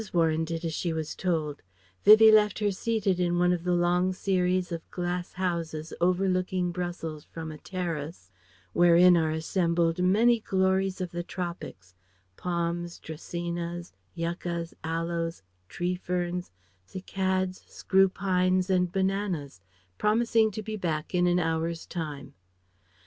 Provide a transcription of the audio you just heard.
Warren did as she was told. Vivie left her seated in one of the long series of glass houses overlooking Brussels from a terrace, wherein are assembled many glories of the tropics: palms, dracaenas, yuccas, aloes, tree ferns, cycads, screw pines, and bananas: promising to be back in an hour's time.